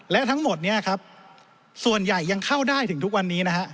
และทั้งหมดส่วนใหญ่ยังเข้าได้ถึงทุกวันนี้